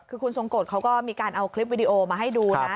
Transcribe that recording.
คือคุณทรงกฎเขาก็มีการเอาคลิปวิดีโอมาให้ดูนะ